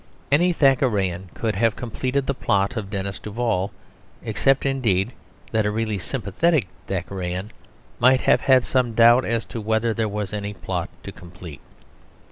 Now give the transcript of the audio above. Any Thackerayan could have completed the plot of Denis Duval; except indeed that a really sympathetic Thackerayan might have had some doubt as to whether there was any plot to complete.